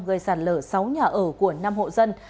gây sạt lở sáu nhà ở của năm hộ dân